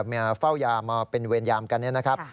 มาเฝ้ายามาเป็นเวรยามกันเนี่ยนะครับ